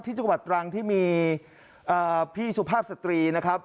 จังหวัดตรังที่มีพี่สุภาพสตรีนะครับ